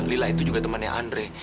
lila itu juga temannya andre